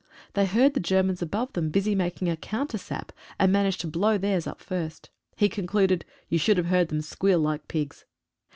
They heard the Germans above them busy making a counter sap, and managed to blow theirs up first. He concluded, "You should have heard them squeal like pigs."